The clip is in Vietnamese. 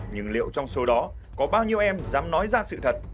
nhưng liệu trong số đó có bao nhiêu em dám nói ra sự thật